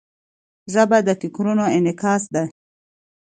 ژبه د فکرونو انعکاس ده.